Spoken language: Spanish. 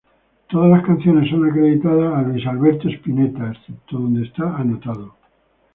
Todas las canciones son acreditadas a Luis Alberto Spinetta, excepto donde está anotado